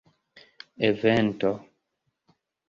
evento